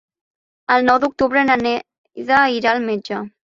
El nou d'octubre na Neida irà al metge.